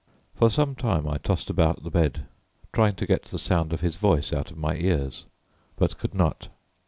For some time I tossed about the bed trying to get the sound of his voice out of my ears, but could not.